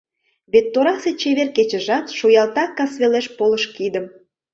Вет торасе чевер кечыжат Шуялта кас велеш полыш кидым.